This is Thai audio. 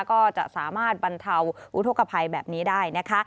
ก็จะสามารถบรรเทาอุทธกภัยแบบนี้ได้นะคะ